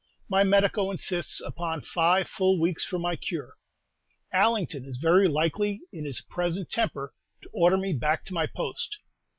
My medico insists upon five full weeks for my cure. Allington is very likely, in his present temper, to order me back to my post.